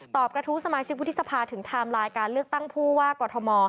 กระทู้สมาชิกวุฒิสภาถึงไทม์ไลน์การเลือกตั้งผู้ว่ากอทม